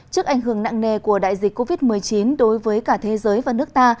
trước ảnh hưởng nặng nề của đại dịch covid một mươi chín đối với cả thế giới và nước ta